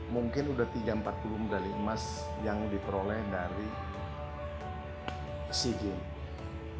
mungkin sudah tiga ratus empat puluh dari emas yang diperoleh dari c game